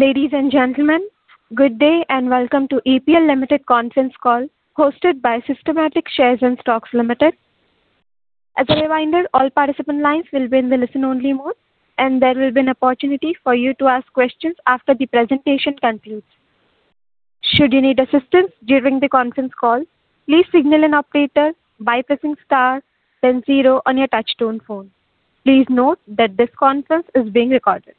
Ladies and gentlemen, good day and welcome to EPL Limited conference call hosted by Systematix Shares and Stocks Limited. As a reminder, all participant lines will be in the listen only mode, and there will be an opportunity for you to ask questions after the presentation concludes. Should you need assistance during the conference call, please signal an operator by pressing star then zero on your touchtone phone. Please note that this conference is being recorded.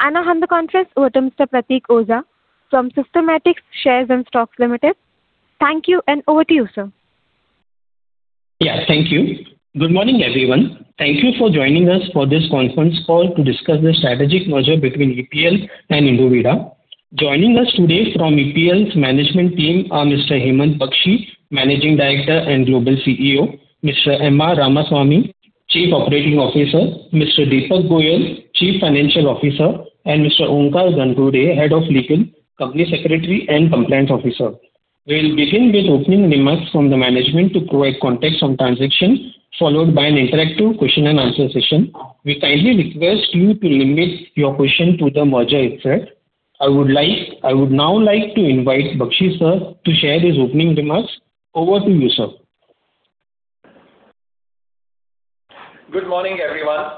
I now hand the conference over to Mr. Pratik Tholiya from Systematix Shares and Stocks Limited. Thank you and over to you, sir. Yeah. Thank you. Good morning, everyone. Thank you for joining us for this conference call to discuss the strategic merger between EPL and Indovida. Joining us today from EPL's management team are Mr. Hemant Bakshi, Managing Director and Global CEO, Mr. M.R. Ramasamy, Chief Operating Officer, Mr. Deepak Goyal, Chief Financial Officer, and Mr. Onkar Ghangurde, Head of Legal, Company Secretary and Compliance Officer. We'll begin with opening remarks from the management to provide context on transaction, followed by an interactive question and answer session. We kindly request you to limit your question to the merger itself. I would now like to invite Bakshi, sir, to share his opening remarks. Over to you, sir. Good morning, everyone.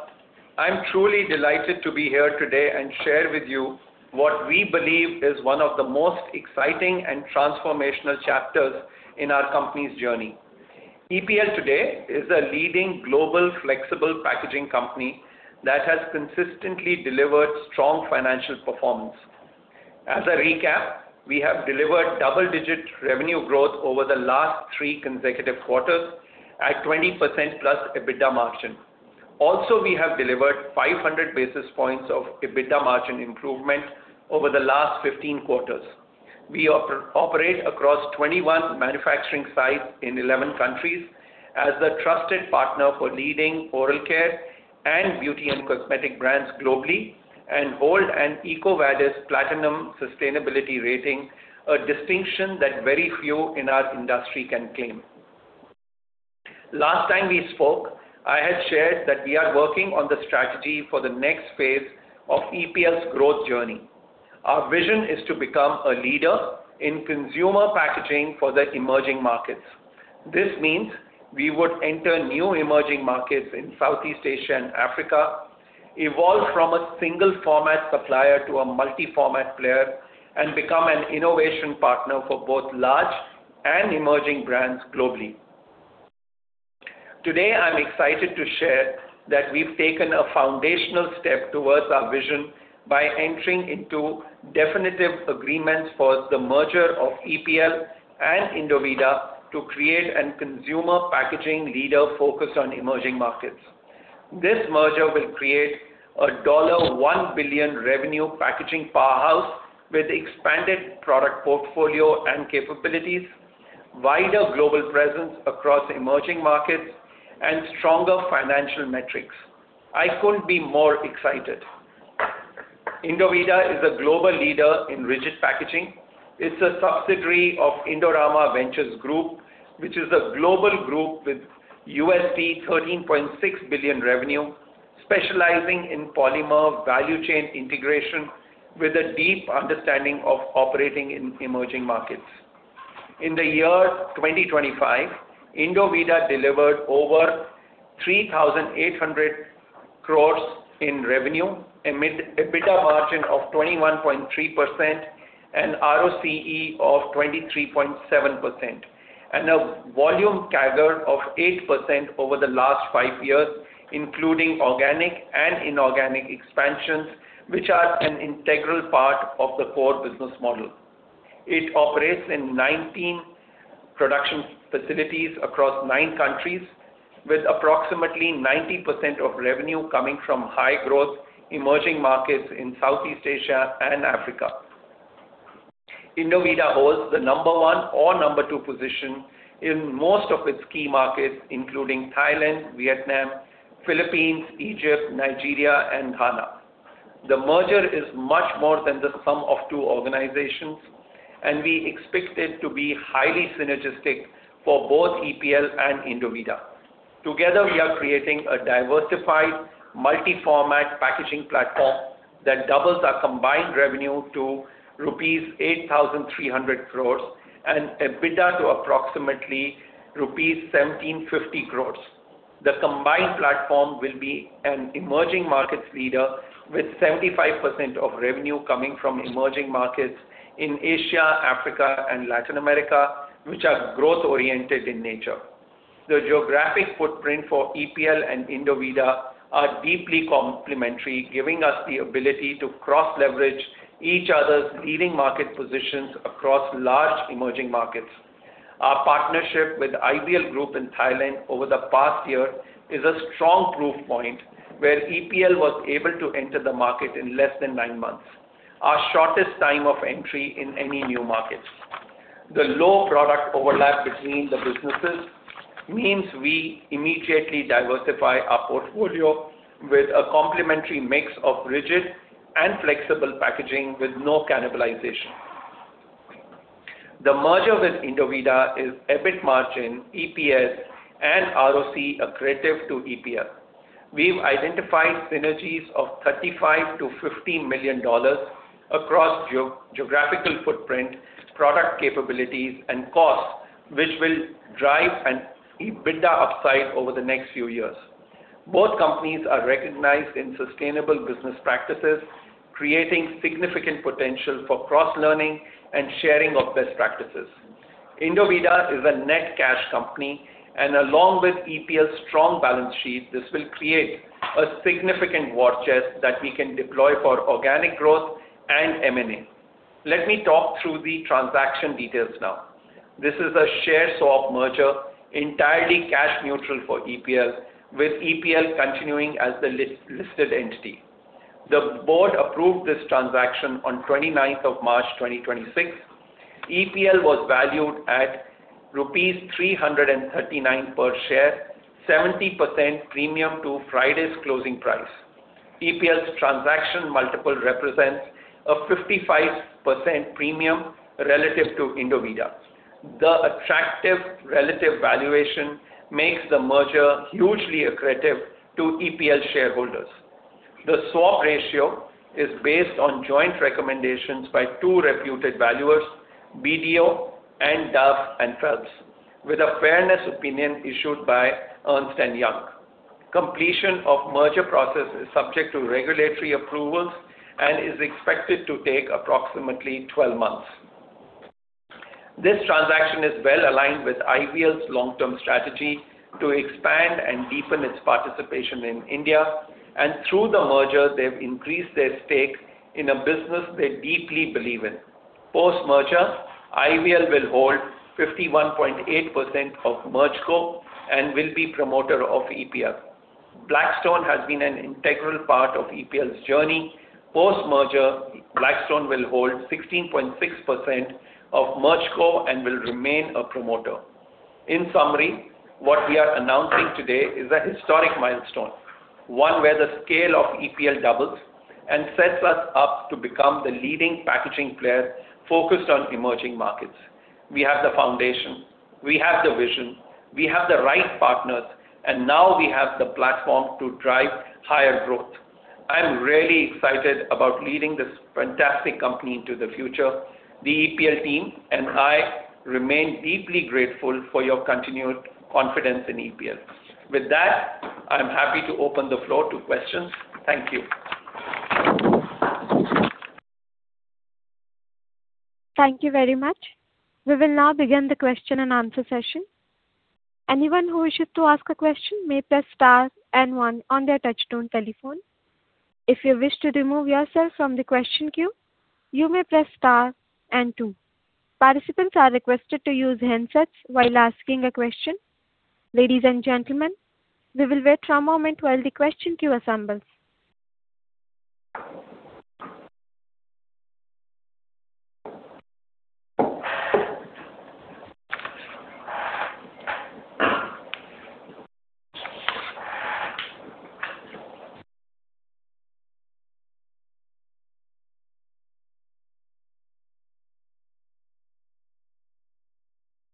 I'm truly delighted to be here today and share with you what we believe is one of the most exciting and transformational chapters in our company's journey. EPL today is a leading global flexible packaging company that has consistently delivered strong financial performance. As a recap, we have delivered double-digit revenue growth over the last three consecutive quarters at 20%+ EBITDA margin. Also, we have delivered 500 basis points of EBITDA margin improvement over the last 15 quarters. We operate across 21 manufacturing sites in 11 countries as a trusted partner for leading oral care and beauty and cosmetic brands globally, and hold an EcoVadis platinum sustainability rating, a distinction that very few in our industry can claim. Last time we spoke, I had shared that we are working on the strategy for the next phase of EPL's growth journey. Our vision is to become a leader in consumer packaging for the emerging markets. This means we would enter new emerging markets in Southeast Asia and Africa, evolve from a single format supplier to a multi-format player, and become an innovation partner for both large and emerging brands globally. Today, I'm excited to share that we've taken a foundational step towards our vision by entering into definitive agreements for the merger of EPL and Indovida to create a consumer packaging leader focused on emerging markets. This merger will create a $1 billion revenue packaging powerhouse with expanded product portfolio and capabilities, wider global presence across emerging markets and stronger financial metrics. I couldn't be more excited. Indovida is a global leader in rigid packaging. It's a subsidiary of Indorama Ventures Group, which is a global group with $13.6 billion revenue, specializing in polymer value chain integration with a deep understanding of operating in emerging markets. In 2025, Indovida delivered over 3,800 crore in revenue, an EBITDA margin of 21.3% and ROCE of 23.7%, and a volume CAGR of 8% over the last five years, including organic and inorganic expansions, which are an integral part of the core business model. It operates in 19 production facilities across nine countries, with approximately 90% of revenue coming from high growth emerging markets in Southeast Asia and Africa. Indovida holds the number one or number two position in most of its key markets, including Thailand, Vietnam, Philippines, Egypt, Nigeria and Ghana. The merger is much more than the sum of two organizations, and we expect it to be highly synergistic for both EPL and Indovida. Together, we are creating a diversified multi-format packaging platform that doubles our combined revenue to rupees 8,300 crores and EBITDA to approximately rupees 1,750 crores. The combined platform will be an emerging markets leader with 75% of revenue coming from emerging markets in Asia, Africa and Latin America, which are growth-oriented in nature. The geographic footprint for EPL and Indovida are deeply complementary, giving us the ability to cross-leverage each other's leading market positions across large emerging markets. Our partnership with Ideal Group in Thailand over the past year is a strong proof point where EPL was able to enter the market in less than nine months, our shortest time of entry in any new markets. The low product overlap between the businesses means we immediately diversify our portfolio with a complementary mix of rigid and flexible packaging with no cannibalization. The merger with Indovida is EBIT margin, EPS, and ROC accretive to EPL. We've identified synergies of $35 million-$50 million across geographical footprint, product capabilities, and costs, which will drive an EBITDA upside over the next few years. Both companies are recognized in sustainable business practices, creating significant potential for cross-learning and sharing of best practices. Indovida is a net cash company, and along with EPL's strong balance sheet, this will create a significant war chest that we can deploy for organic growth and M&A. Let me talk through the transaction details now. This is a share swap merger, entirely cash neutral for EPL, with EPL continuing as the listed entity. The board approved this transaction on twenty-ninth of March, 2026. EPL was valued at rupees 339 per share, 70% premium to Friday's closing price. EPL's transaction multiple represents a 55% premium relative to Indovida. The attractive relative valuation makes the merger hugely accretive to EPL shareholders. The swap ratio is based on joint recommendations by two reputed valuers, BDO and Duff & Phelps, with a fairness opinion issued by Ernst & Young. Completion of merger process is subject to regulatory approvals and is expected to take approximately 12 months. This transaction is well-aligned with IVL's long-term strategy to expand and deepen its participation in India, and through the merger, they've increased their stake in a business they deeply believe in. Post-merger, IVL will hold 51.8% of MergeCo and will be promoter of EPL. Blackstone has been an integral part of EPL's journey. Post-merger, Blackstone will hold 16.6% of MergeCo and will remain a promoter. In summary, what we are announcing today is a historic milestone, one where the scale of EPL doubles and sets us up to become the leading packaging player focused on emerging markets. We have the foundation, we have the vision, we have the right partners, and now we have the platform to drive higher growth. I am really excited about leading this fantastic company into the future. The EPL team and I remain deeply grateful for your continued confidence in EPL. With that, I'm happy to open the floor to questions. Thank you. Thank you very much. We will now begin the question-and-answer session. Anyone who wishes to ask a question may press star and one on their touchtone telephone. If you wish to remove yourself from the question queue, you may press star and two. Participants are requested to use handsets while asking a question. Ladies and gentlemen, we will wait a moment while the question queue assembles.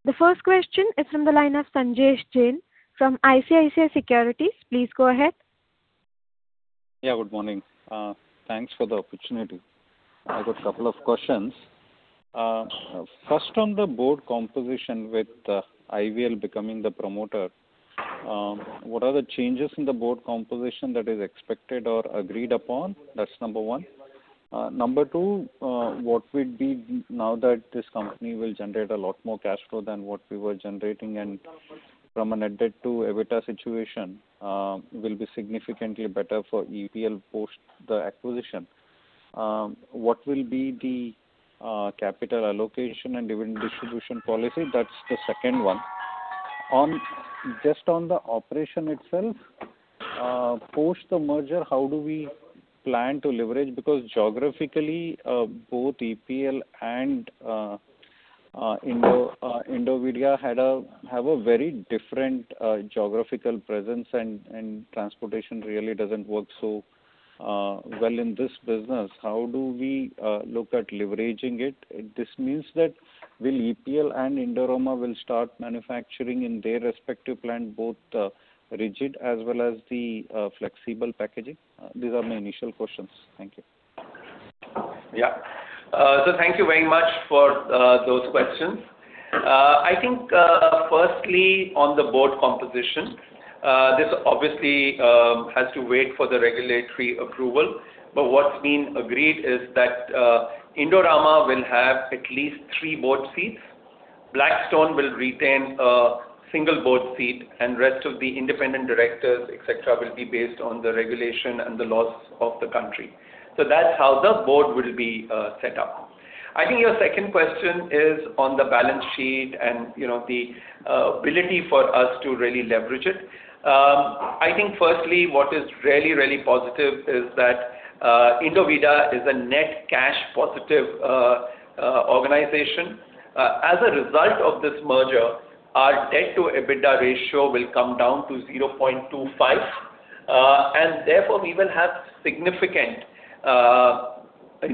The first question is from the line of Sanjesh Jain from ICICI Securities. Please go ahead. Yeah, good morning. Thanks for the opportunity. I've got a couple of questions. First, on the board composition with IVL becoming the promoter, what are the changes in the board composition that is expected or agreed upon? That's number one. Number two, now that this company will generate a lot more cash flow than what we were generating and from a net debt to EBITDA situation, will be significantly better for EPL post the acquisition. What will be the capital allocation and dividend distribution policy? That's the second one. Just on the operation itself, post the merger, how do we plan to leverage? Because geographically, both EPL and Indovida have a very different geographical presence, and transportation really doesn't work so well in this business. How do we look at leveraging it? This means that EPL and Indorama will start manufacturing in their respective plant both rigid as well as the flexible packaging? These are my initial questions. Thank you. Yeah. Thank you very much for those questions. I think firstly, on the board composition, this obviously has to wait for the regulatory approval. What's been agreed is that Indorama will have at least three board seats. Blackstone will retain a single board seat, and rest will be independent directors, et cetera, will be based on the regulation and the laws of the country. That's how the board will be set up. I think your second question is on the balance sheet and, you know, the ability for us to really leverage it. I think firstly, what is really, really positive is that Indovida is a net cash positive organization. As a result of this merger, our debt to EBITDA ratio will come down to 0.25. Therefore we will have significant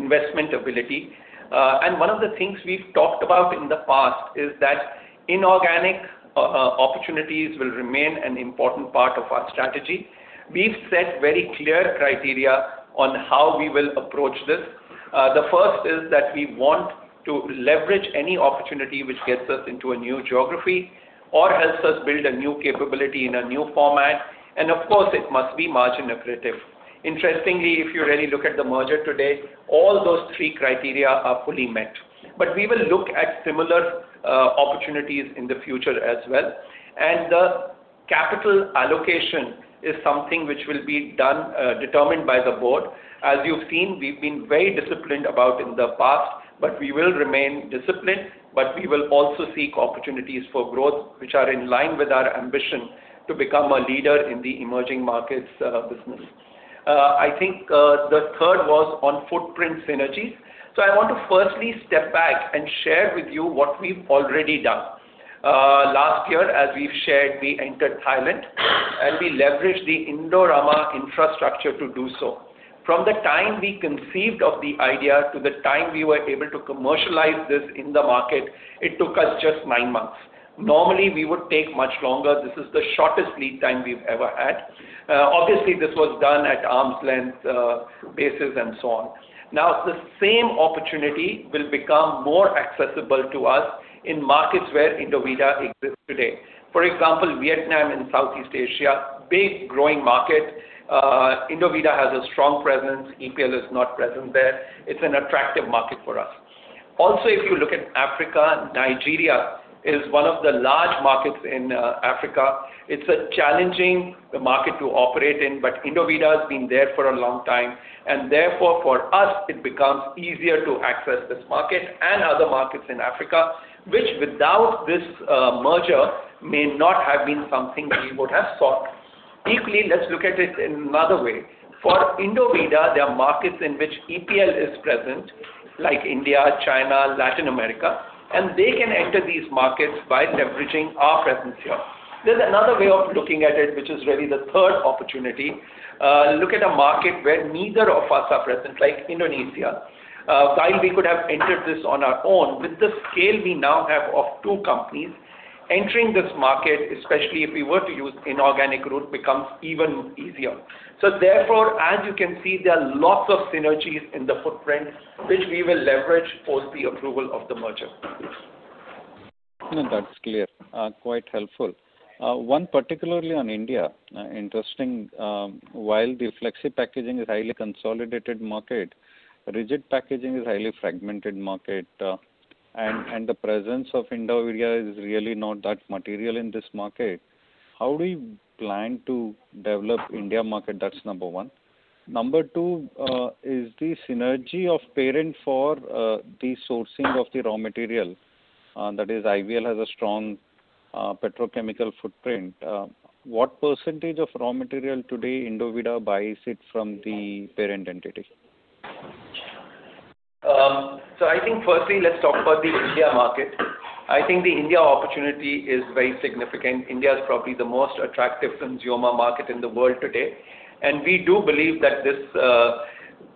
investment ability. One of the things we've talked about in the past is that inorganic opportunities will remain an important part of our strategy. We've set very clear criteria on how we will approach this. The first is that we want to leverage any opportunity which gets us into a new geography or helps us build a new capability in a new format. Of course, it must be margin accretive. Interestingly, if you really look at the merger today, all those three criteria are fully met. We will look at similar opportunities in the future as well. The capital allocation is something which will be done, determined by the board. As you've seen, we've been very disciplined about in the past, but we will remain disciplined, but we will also seek opportunities for growth which are in line with our ambition to become a leader in the emerging markets, business. I think, the third was on footprint synergies. I want to firstly step back and share with you what we've already done. Last year, as we've shared, we entered Thailand, and we leveraged the Indorama infrastructure to do so. From the time we conceived of the idea to the time we were able to commercialize this in the market, it took us just nine months. Normally, we would take much longer. This is the shortest lead time we've ever had. Obviously, this was done at arm's length, basis, and so on. Now, the same opportunity will become more accessible to us in markets where Indovida exists today. For example, Vietnam in Southeast Asia, big growing market. Indovida has a strong presence. EPL is not present there. It's an attractive market for us. Also, if you look at Africa, Nigeria is one of the large markets in Africa. It's a challenging market to operate in, but Indovida has been there for a long time, and therefore for us it becomes easier to access this market and other markets in Africa, which without this merger may not have been something that we would have sought. Equally, let's look at it in another way. For Indovida, there are markets in which EPL is present, like India, China, Latin America, and they can enter these markets by leveraging our presence here. There's another way of looking at it, which is really the third opportunity. Look at a market where neither of us are present, like Indonesia. While we could have entered this on our own, with the scale we now have of two companies, entering this market, especially if we were to use inorganic route, becomes even easier. Therefore, as you can see, there are lots of synergies in the footprint which we will leverage post the approval of the merger. No, that's clear. Quite helpful. One particularly on India, interesting, while the flexi packaging is highly consolidated market, rigid packaging is highly fragmented market, and the presence of Indovida is really not that material in this market. How do you plan to develop India market? That's number one. Number two, is the synergy of parent for, the sourcing of the raw material? That is IVL has a strong, petrochemical footprint. What percentage of raw material today Indovida buys it from the parent entity? I think firstly, let's talk about the India market. I think the India opportunity is very significant. India is probably the most attractive consumer market in the world today, and we do believe that this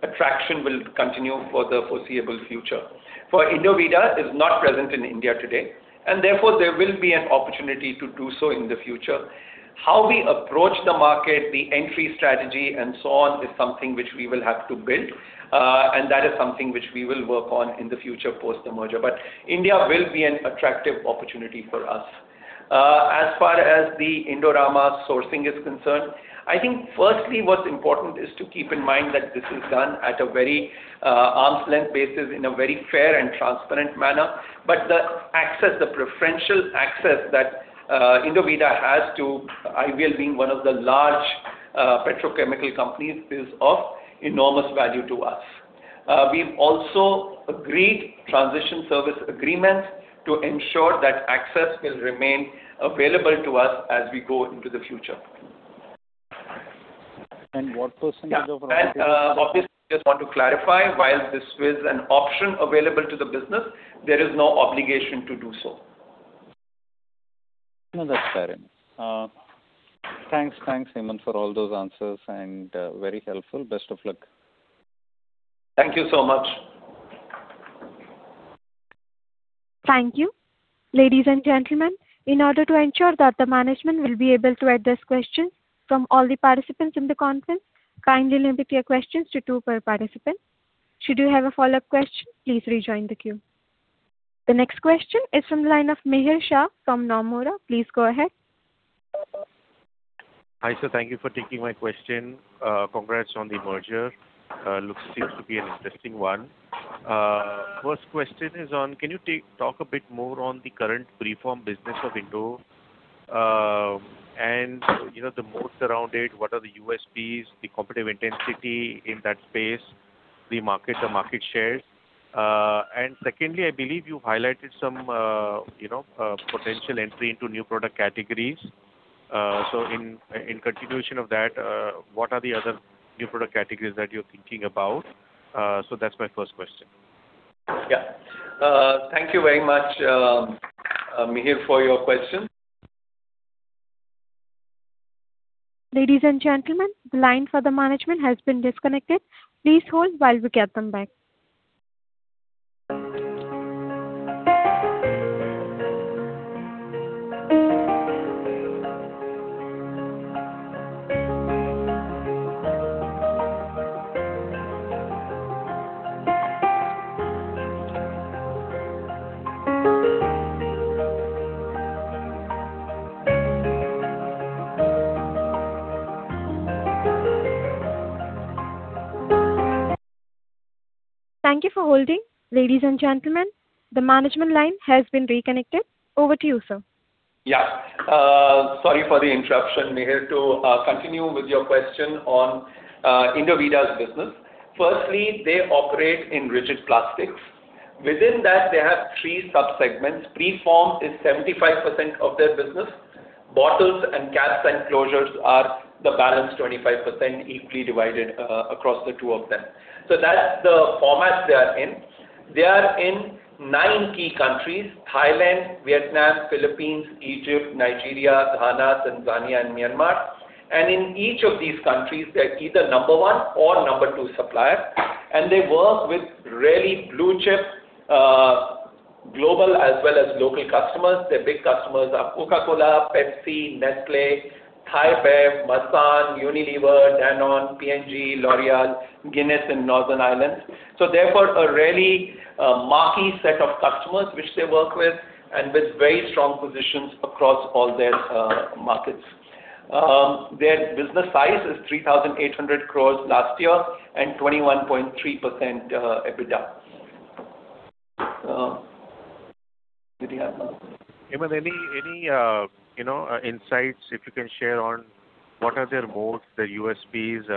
attraction will continue for the foreseeable future. For Indovida is not present in India today, and therefore there will be an opportunity to do so in the future. How we approach the market, the entry strategy, and so on is something which we will have to build, and that is something which we will work on in the future post the merger. India will be an attractive opportunity for us. As far as the Indorama sourcing is concerned, I think firstly what's important is to keep in mind that this is done at a very arm's length basis in a very fair and transparent manner. The access, the preferential access that Indovida has to IVL being one of the large petrochemical companies is of enormous value to us. We've also agreed transition service agreements to ensure that access will remain available to us as we go into the future. What percentage of raw material- Yeah. Obviously, I just want to clarify, while this is an option available to the business, there is no obligation to do so. No, that's fair enough. Thanks, Hemant, for all those answers and very helpful. Best of luck. Thank you so much. Thank you. Ladies and gentlemen, in order to ensure that the management will be able to address questions from all the participants in the conference, kindly limit your questions to two per participant. Should you have a follow-up question, please rejoin the queue. The next question is from the line of Mihir Shah from Nomura. Please go ahead. Hi, sir. Thank you for taking my question. Congrats on the merger. Seems to be an interesting one. First question is, can you talk a bit more on the current preform business of Indo, and, you know, the moat around it, what are the USPs, the competitive intensity in that space, the market, the market shares? Secondly, I believe you highlighted some, you know, potential entry into new product categories. In continuation of that, what are the other new product categories that you're thinking about? That's my first question. Yeah. Thank you very much, Mihir, for your question. Ladies and gentlemen, the line for the management has been disconnected. Please hold while we get them back. Thank you for holding. Ladies and gentlemen, the management line has been reconnected. Over to you, sir. Yeah. Sorry for the interruption, Mihir. To continue with your question on Indovida's business. Firstly, they operate in rigid plastics. Within that, they have three sub-segments. Preform is 75% of their business. Bottles and caps and closures are the balance 25%, equally divided across the two of them. That's the format they are in. They are in 9 key countries, Thailand, Vietnam, Philippines, Egypt, Nigeria, Ghana, Tanzania, and Myanmar. In each of these countries, they're either number one or number two supplier. They work with really blue-chip global as well as local customers. Their big customers are Coca-Cola, Pepsi, Nestlé, Thai Bev, Masan, Unilever, Danone, P&G, L'Oréal, Guinness, and Nigerian Breweries. Therefore, a really marquee set of customers which they work with and with very strong positions across all their markets. Their business size is 3,800 crore last year and 21.3% EBITDA. Did you have another one? Hemant, any you know insights if you can share on what are their moats, their USPs?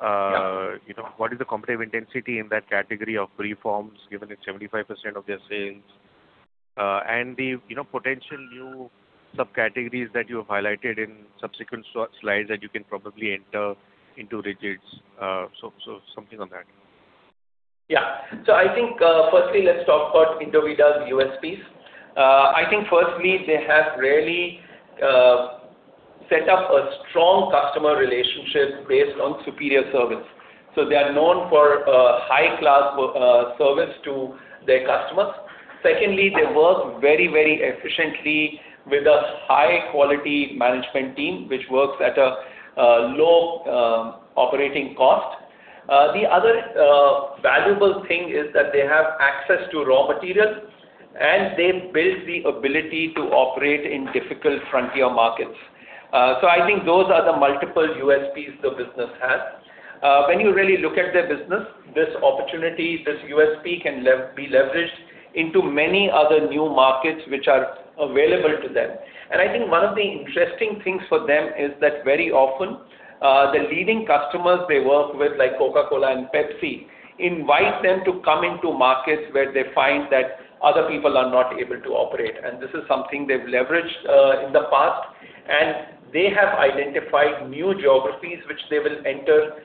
Yeah. You know, what is the competitive intensity in that category of preforms, given it's 75% of their sales? The, you know, potential new subcategories that you have highlighted in subsequent slides that you can probably enter into rigids, so something on that. Yeah. I think, firstly, let's talk about Indovida's USPs. I think firstly, they have really set up a strong customer relationship based on superior service. They are known for high-class service to their customers. Secondly, they work very, very efficiently with a high-quality management team, which works at a low operating cost. The other valuable thing is that they have access to raw materials, and they've built the ability to operate in difficult frontier markets. I think those are the multiple USPs the business has. When you really look at their business, this opportunity, this USP can be leveraged into many other new markets which are available to them. I think one of the interesting things for them is that very often, the leading customers they work with, like Coca-Cola and PepsiCo, invite them to come into markets where they find that other people are not able to operate. This is something they've leveraged in the past, and they have identified new geographies which they will enter.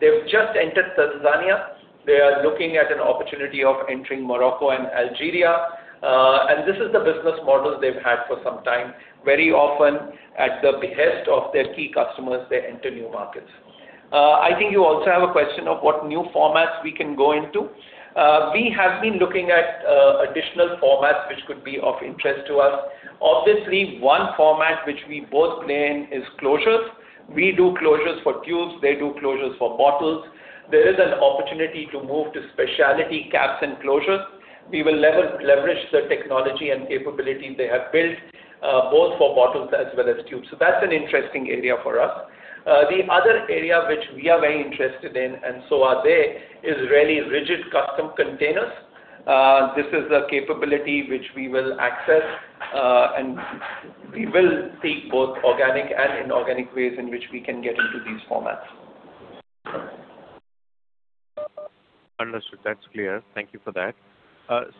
They've just entered Tanzania. They are looking at an opportunity of entering Morocco and Algeria. This is the business model they've had for some time. Very often, at the behest of their key customers, they enter new markets. I think you also have a question of what new formats we can go into. We have been looking at additional formats which could be of interest to us. Obviously, one format which we both play in is closures. We do closures for tubes. They do closures for bottles. There is an opportunity to move to specialty caps and closures. We will leverage the technology and capability they have built, both for bottles as well as tubes. That's an interesting area for us. The other area which we are very interested in, and so are they, is really rigid custom containers. This is a capability which we will access, and we will take both organic and inorganic ways in which we can get into these formats. Understood. That's clear. Thank you for that.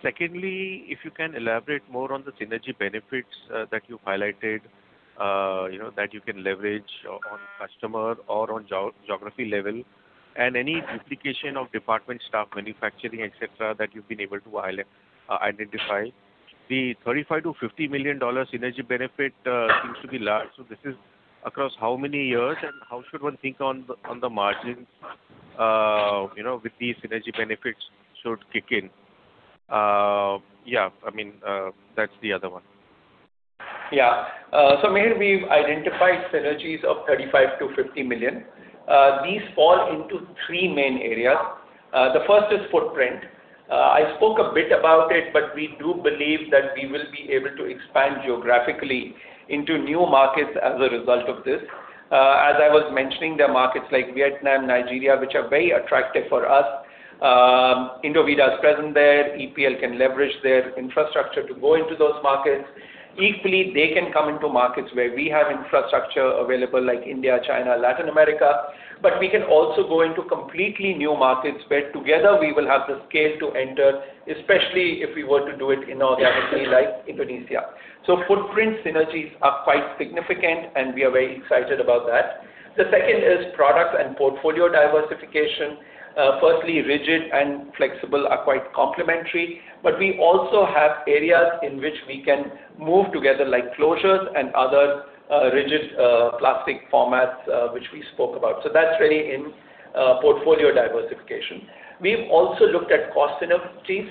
Secondly, if you can elaborate more on the synergy benefits that you highlighted, you know, that you can leverage on customer or on geography level and any duplication of department staff, manufacturing, et cetera, that you've been able to identify. The $35 million-$50 million synergy benefit seems to be large. This is across how many years, and how should one think on the margins, you know, with these synergy benefits should kick in? Yeah, I mean, that's the other one. Yeah. Mihir, we've identified synergies of $35 million-$50 million. These fall into three main areas. The first is footprint. I spoke a bit about it, but we do believe that we will be able to expand geographically into new markets as a result of this. As I was mentioning, there are markets like Vietnam, Nigeria, which are very attractive for us. Indovida is present there. EPL can leverage their infrastructure to go into those markets. Equally, they can come into markets where we have infrastructure available, like India, China, Latin America. We can also go into completely new markets where together we will have the scale to enter, especially if we were to do it inorganically, like Indonesia. Footprint synergies are quite significant, and we are very excited about that. The second is product and portfolio diversification. Firstly, rigid and flexible are quite complementary, but we also have areas in which we can move together, like closures and other, rigid, plastic formats, which we spoke about. That's really in portfolio diversification. We've also looked at cost synergies.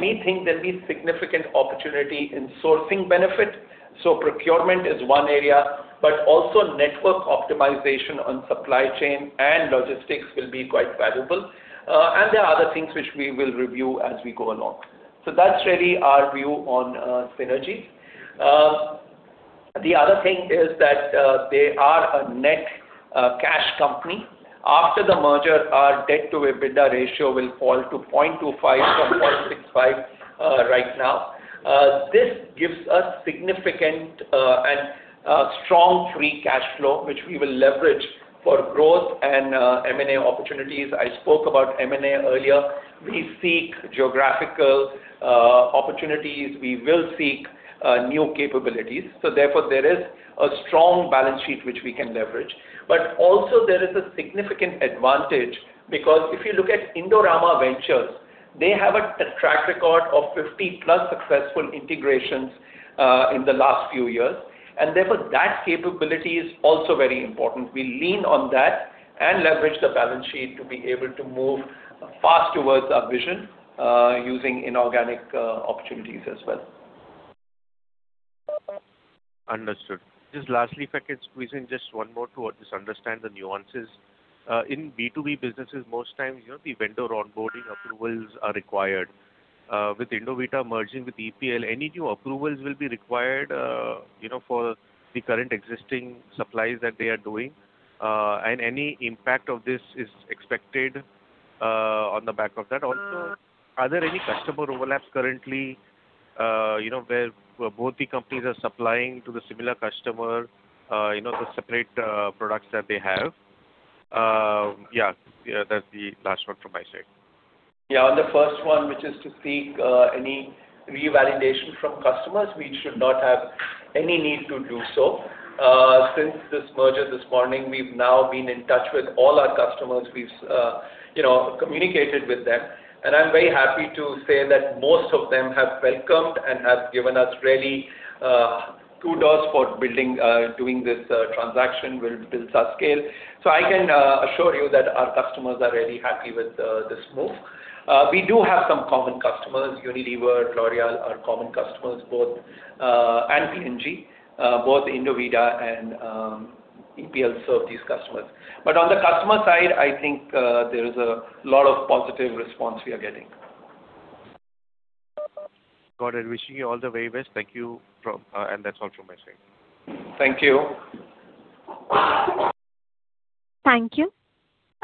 We think there'll be significant opportunity in sourcing benefit. Procurement is one area, but also network optimization on supply chain and logistics will be quite valuable. There are other things which we will review as we go along. That's really our view on synergies. The other thing is that, they are a net, cash company. After the merger, our debt to EBITDA ratio will fall to 0.25x from 0.65x, right now. This gives us significant and strong free cash flow, which we will leverage for growth and M&A opportunities. I spoke about M&A earlier. We seek geographical opportunities. We will seek new capabilities. There is a strong balance sheet which we can leverage. There is a significant advantage because if you look at Indorama Ventures, they have a track record of 50-plus successful integrations in the last few years, and therefore that capability is also very important. We lean on that and leverage the balance sheet to be able to move fast towards our vision, using inorganic opportunities as well. Understood. Just lastly, if I can squeeze in just one more to just understand the nuances. In B2B businesses, most times, you know, the vendor onboarding approvals are required. With Indovida merging with EPL, any new approvals will be required, you know, for the current existing supplies that they are doing? Any impact of this is expected on the back of that? Also, are there any customer overlaps currently, you know, where both the companies are supplying to the similar customer, you know, the separate products that they have? Yeah, that's the last one from my side. Yeah. On the first one, which is to seek any revalidation from customers, we should not have any need to do so. Since this merger this morning, we've now been in touch with all our customers. We've you know, communicated with them, and I'm very happy to say that most of them have welcomed and have given us really kudos for doing this transaction will build such scale. I can assure you that our customers are really happy with this move. We do have some common customers. Unilever, L'Oréal are common customers both and P&G. Both Indovida and EPL serve these customers. On the customer side, I think there is a lot of positive response we are getting. Got it. Wishing you all the very best. Thank you from my side. That's all from my side. Thank you. Thank you.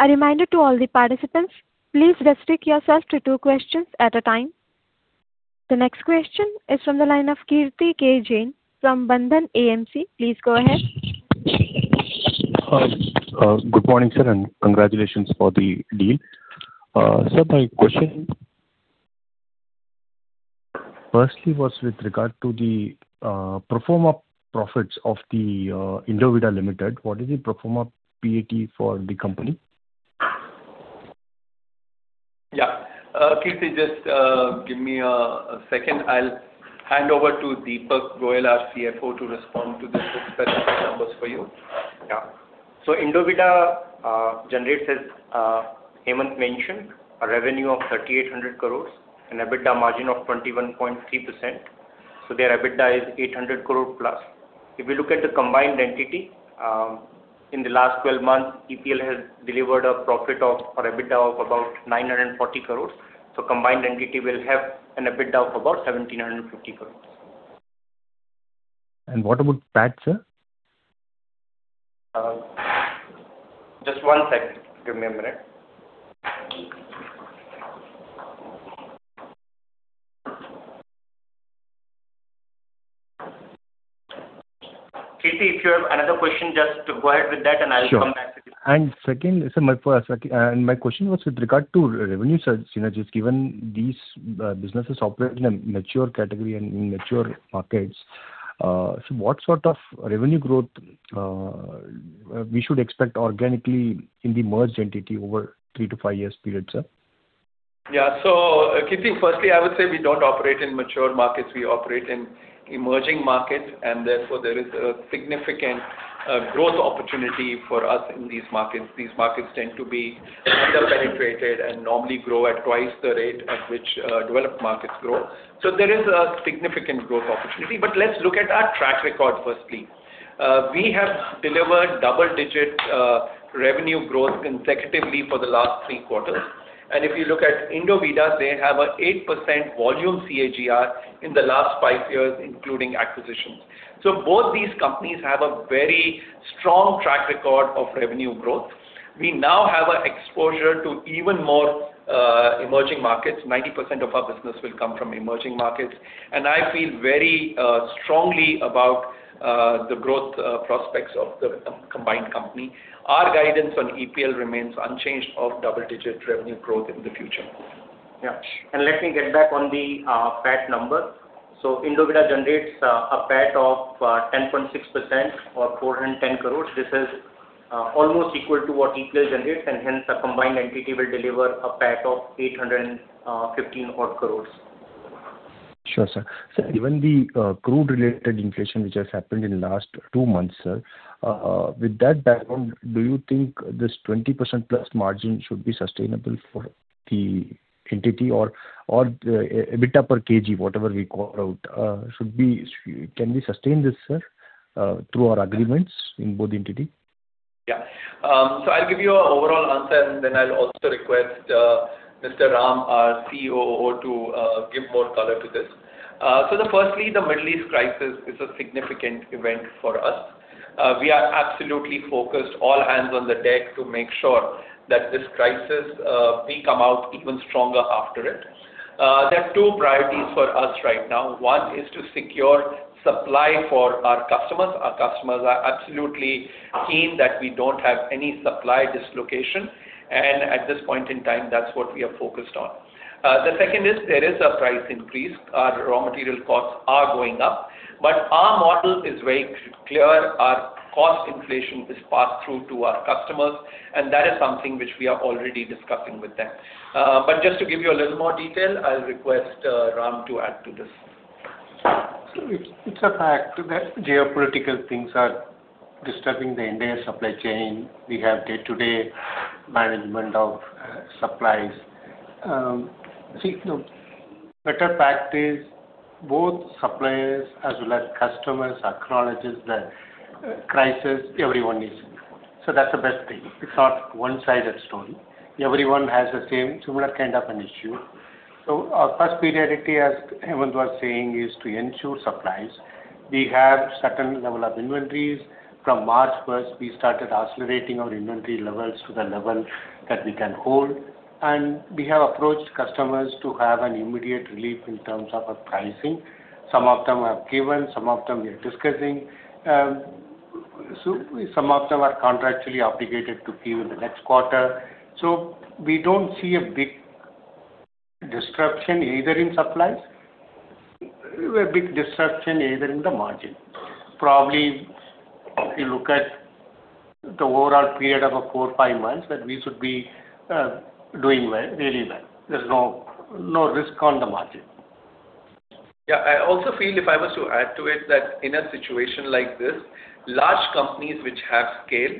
A reminder to all the participants, please restrict yourself to two questions at a time. The next question is from the line of Kirthi K. Jain from Bandhan AMC. Please go ahead. Hi. Good morning, sir, and congratulations for the deal. Sir, my question firstly was with regard to the pro forma profits of the Indovida Limited. What is the pro forma PAT for the company? Yeah. Kirthi, just give me a second. I'll hand over to Deepak Goyal, our CFO, to respond to the specific numbers for you. Indovida generates, as Hemant mentioned, a revenue of 3,800 crore, an EBITDA margin of 21.3%. Their EBITDA is 800 crore plus. If you look at the combined entity, in the last 12 months, EPL has delivered EBITDA of about 940 crore. Combined entity will have an EBITDA of about 1,750 crore. What about PAT, sir? Just one second. Give me a minute. Kirthi, if you have another question, just go ahead with that, and I'll come back to you. Sure. Second, sir, my question was with regard to revenue synergies. Given these businesses operate in a mature category and in mature markets, what sort of revenue growth we should expect organically in the merged entity over three to five years period, sir? Yeah, Kirthi, firstly, I would say we don't operate in mature markets. We operate in emerging markets, and therefore there is a significant growth opportunity for us in these markets. These markets tend to be underpenetrated and normally grow at twice the rate at which developed markets grow. There is a significant growth opportunity. Let's look at our track record firstly. We have delivered double-digit revenue growth consecutively for the last three quarters. If you look at Indovida, they have an 8% volume CAGR in the last five years, including acquisitions. Both these companies have a very strong track record of revenue growth. We now have an exposure to even more emerging markets. 90% of our business will come from emerging markets, and I feel very strongly about the growth prospects of the combined company. Our guidance on EPL remains unchanged of double-digit revenue growth in the future. Yeah. Let me get back on the PAT number. Indovida generates a PAT of 10.6% or 410 crore. This is almost equal to what EPL generates, and hence the combined entity will deliver a PAT of 815-odd crore. Sure, sir. Sir, given the crude related inflation which has happened in the last two months, sir, with that background, do you think this 20%+ margin should be sustainable for the entity? Or EBITDA per kg, whatever we call out, can we sustain this, sir, through our agreements in both entity? I'll give you an overall answer, and then I'll also request Mr. Ram, our COO, to give more color to this. First, the Middle East crisis is a significant event for us. We are absolutely focused, all hands on the deck, to make sure that this crisis, we come out even stronger after it. There are two priorities for us right now. One is to secure supply for our customers. Our customers are absolutely keen that we don't have any supply dislocation. At this point in time, that's what we are focused on. The second is there is a price increase. Our raw material costs are going up. Our model is very clear. Our cost inflation is passed through to our customers, and that is something which we are already discussing with them. Just to give you a little more detail, I'll request Ram to add to this. It's a fact that geopolitical things are disturbing the entire supply chain. We have day-to-day management of supplies. You know, better practice, both suppliers as well as customers acknowledge the crisis everyone is in. That's the best thing. It's not one-sided story. Everyone has the same similar kind of an issue. Our first priority, as Hemant was saying, is to ensure supplies. We have certain level of inventories. From March first, we started accelerating our inventory levels to the level that we can hold, and we have approached customers to have an immediate relief in terms of pricing. Some of them have given, some of them we're discussing. Some of them are contractually obligated to give in the next quarter. We don't see a big disruption either in supplies or in the margin. Probably, if you look at the overall period of four to five months, that we should be doing well, really well. There's no risk on the margin. Yeah. I also feel, if I was to add to it, that in a situation like this, large companies which have scale,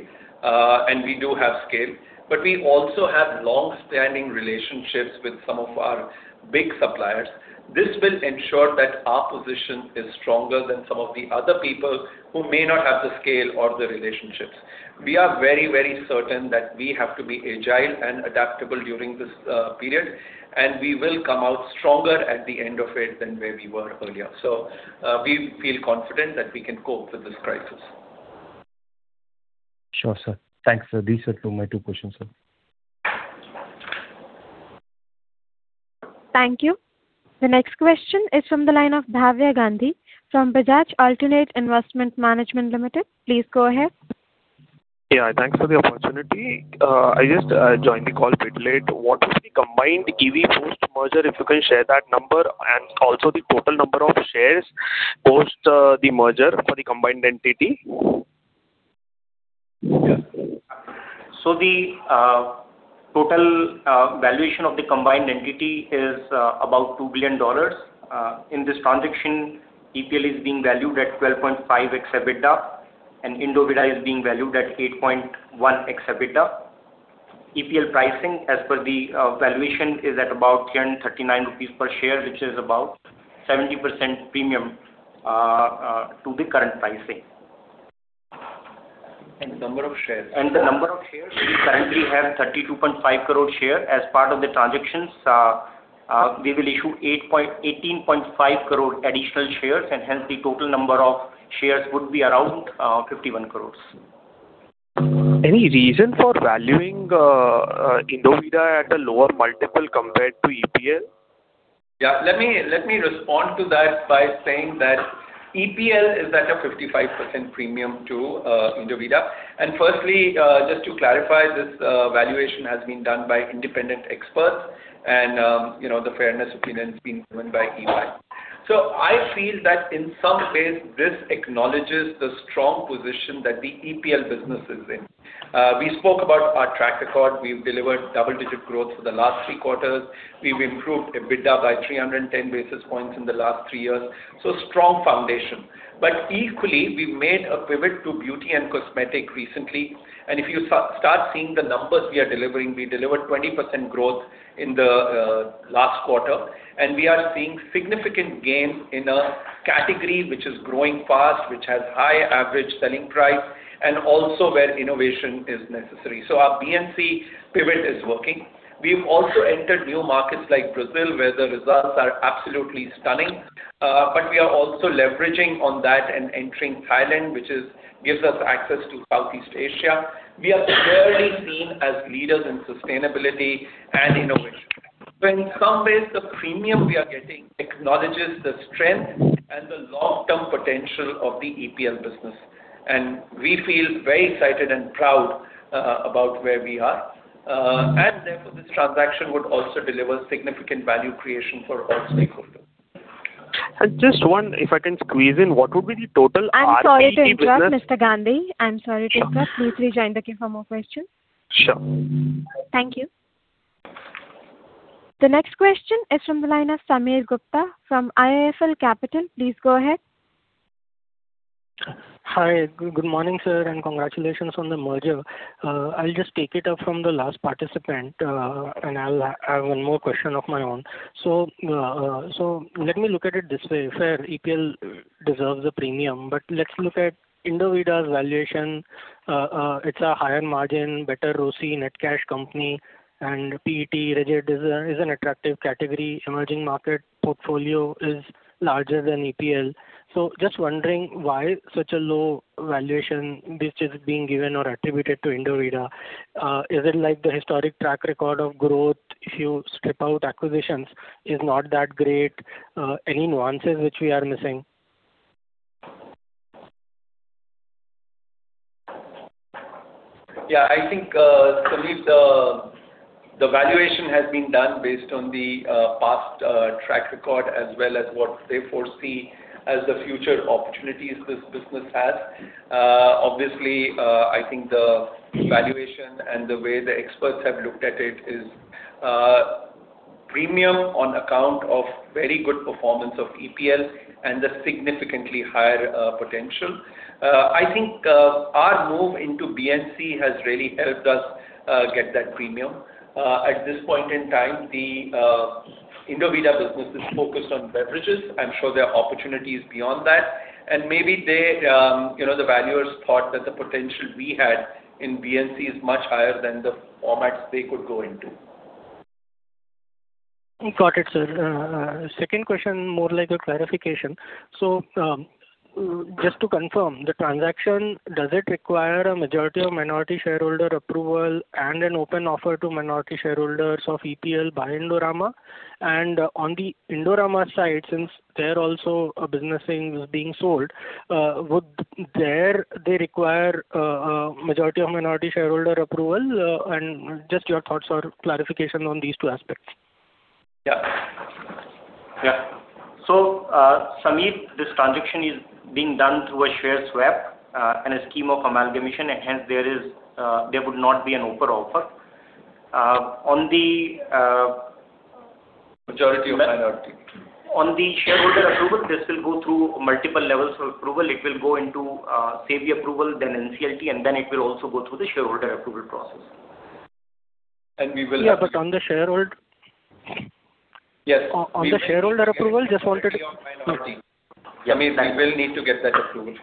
and we do have scale, but we also have long-standing relationships with some of our big suppliers. This will ensure that our position is stronger than some of the other people who may not have the scale or the relationships. We are very, very certain that we have to be agile and adaptable during this period, and we will come out stronger at the end of it than where we were earlier. We feel confident that we can cope with this crisis. Sure, sir. Thanks, sir. These are my two questions, sir. Thank you. The next question is from the line of Bhavya Gandhi from Bajaj Alternate Investment Management Limited. Please go ahead. Yeah, thanks for the opportunity. I just joined the call a bit late. What is the combined EV post-merger, if you can share that number, and also the total number of shares post the merger for the combined entity? The total valuation of the combined entity is about $2 billion. In this transaction, EPL is being valued at 12.5x EBITDA, and Indovida is being valued at 8.1x EBITDA. EPL pricing, as per the valuation, is at about 339 rupees per share, which is about 70% premium to the current pricing. The number of shares. The number of shares, we currently have 32.5 crore shares. As part of the transactions, we will issue 18.5 crore additional shares, and hence the total number of shares would be around 51 crores. Any reason for valuing Indovida at a lower multiple compared to EPL? Yeah. Let me respond to that by saying that EPL is at a 55% premium to Indovida. Firstly, just to clarify, this valuation has been done by independent experts and, you know, the fairness opinion has been given by EY. I feel that in some ways this acknowledges the strong position that the EPL business is in. We spoke about our track record. We've delivered double-digit growth for the last three quarters. We've improved EBITDA by 310 basis points in the last three years. Strong foundation. Equally, we've made a pivot to beauty and cosmetics recently. If you start seeing the numbers we are delivering, we delivered 20% growth in the last quarter, and we are seeing significant gains in a category which is growing fast, which has high average selling price, and also where innovation is necessary. Our B&C pivot is working. We've also entered new markets like Brazil, where the results are absolutely stunning. But we are also leveraging on that and entering Thailand, which gives us access to Southeast Asia. We are seen as leaders in sustainability and innovation. In some ways, the premium we are getting acknowledges the strength and the long-term potential of the EPL business. We feel very excited and proud about where we are. Therefore, this transaction would also deliver significant value creation for all stakeholders. Just one, if I can squeeze in, what would be the total RPET business? I'm sorry to interrupt, Mr. Gandhi. Please rejoin the queue for more questions. Sure. Thank you. The next question is from the line of Sameer Gupta from IIFL Capital. Please go ahead. Hi. Good morning, sir, and congratulations on the merger. I'll just take it up from the last participant, and I'll have one more question of my own. So let me look at it this way, sir. EPL deserves a premium, but let's look at Indovida's valuation. It's a higher margin, better ROCE net cash company and PET rigid is an attractive category. Emerging market portfolio is larger than EPL. Just wondering why such a low valuation, which is being given or attributed to Indovida. Is it like the historic track record of growth if you strip out acquisitions is not that great? Any nuances which we are missing? Yeah, I think, Sameer, the valuation has been done based on the past track record as well as what they foresee as the future opportunities this business has. Obviously, I think the valuation and the way the experts have looked at it is premium on account of very good performance of EPL and the significantly higher potential. I think our move into B&C has really helped us get that premium. At this point in time, the Indovida business is focused on beverages. I'm sure there are opportunities beyond that. Maybe they, you know, the valuers thought that the potential we had in B&C is much higher than the formats they could go into. Got it, sir. Second question, more like a clarification. Just to confirm, the transaction, does it require a majority of minority shareholder approval and an open offer to minority shareholders of EPL by Indorama? On the Indorama side, since they're also a business being sold, would they require a majority of minority shareholder approval? Just your thoughts or clarification on these two aspects. Sameer, this transaction is being done through a share swap, and a scheme of amalgamation, and hence there would not be an open offer. On the, Majority of minority. On the shareholder approval, this will go through multiple levels of approval. It will go into SEBI approval, then NCLT, and then it will also go through the shareholder approval process. And we will- Yeah, on the shareholder. Yes. On the shareholder approval, just wanted to. Majority of minority. Yeah. I mean, we will need to get that approval.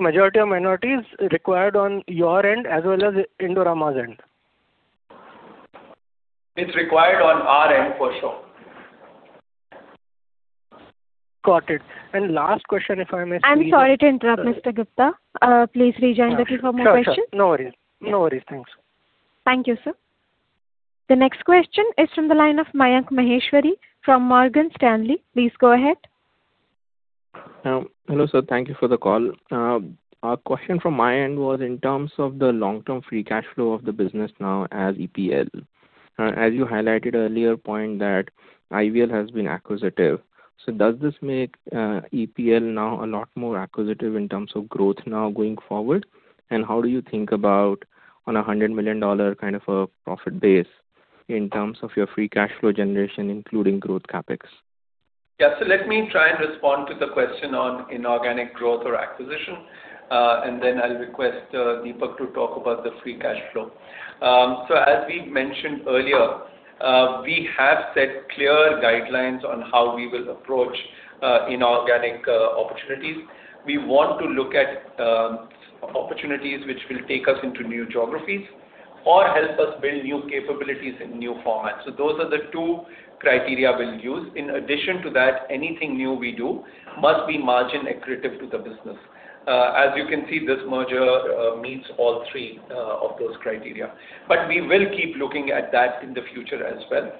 Majority of minority is required on your end as well as Indorama's end? It's required on our end for sure. Got it. Last question, if I may squeeze in. I'm sorry to interrupt, Mr. Gupta. Please rejoin the queue for more questions. Sure. No worries. Thanks. Thank you, sir. The next question is from the line of Mayank Maheshwari from Morgan Stanley. Please go ahead. Hello, sir. Thank you for the call. A question from my end was in terms of the long-term free cash flow of the business now as EPL. As you highlighted earlier point that IVL has been acquisitive. Does this make EPL now a lot more acquisitive in terms of growth now going forward? How do you think about on a $100 million kind of a profit base in terms of your free cash flow generation, including growth CapEx? Yeah. Let me try and respond to the question on inorganic growth or acquisition, and then I'll request Deepak to talk about the free cash flow. As we mentioned earlier, we have set clear guidelines on how we will approach inorganic opportunities. We want to look at opportunities which will take us into new geographies or help us build new capabilities in new formats. Those are the two criteria we'll use. In addition to that, anything new we do must be margin accretive to the business. As you can see, this merger meets all three of those criteria. We will keep looking at that in the future as well.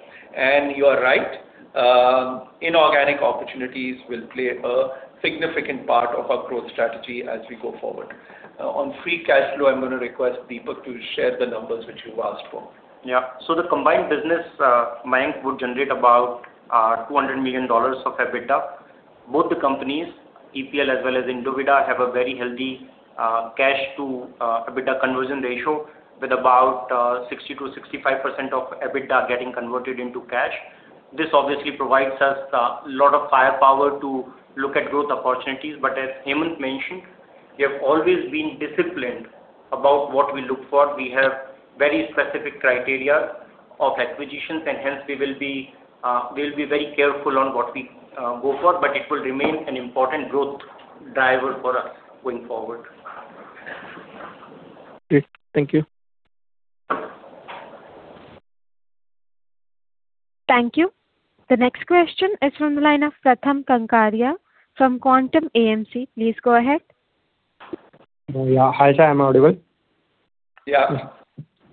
You are right, inorganic opportunities will play a significant part of our growth strategy as we go forward. On free cash flow, I'm gonna request Deepak to share the numbers which you asked for. Yeah. The combined business, Mayank, would generate about $200 million of EBITDA. Both the companies, EPL as well as Indovida, have a very healthy cash to EBITDA conversion ratio with about 60%-65% of EBITDA getting converted into cash. This obviously provides us a lot of firepower to look at growth opportunities. As Hemant mentioned, we have always been disciplined about what we look for. We have very specific criteria of acquisitions, and hence we will be very careful on what we go for, but it will remain an important growth driver for us going forward. Great. Thank you. Thank you. The next question is from the line of Pratham Kankariya from Quantum AMC. Please go ahead. Yeah. Hi, sir. Am I audible? Yeah.